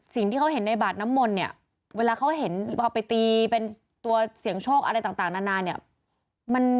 สิ่งที่เขาเห็นในบาดน้ำมนต์เนี่ยเวลาเขาเห็นพอไปตีเป็นตัวเสี่ยงโชคอะไรต่างนานเนี่ย